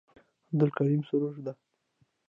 دا عبدالکریم سروش ده.